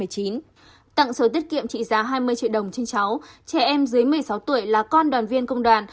tặng số tiết kiệm trị giá hai mươi triệu đồng trên cháu trẻ em dưới một mươi sáu tuổi là con đoàn viên công đoàn